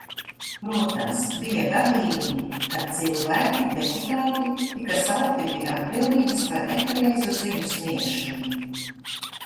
Protams, bija gadījumi, ka cilvēki, deputāti, tika saukti pie atbildības par nepareizu ziņu sniegšanu.